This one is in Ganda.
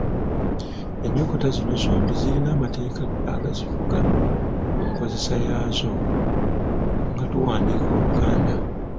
Ennyukuta zino zombi zirina amateeka agazifuga mu nkozesa yaazo nga tuwandiika Oluganda.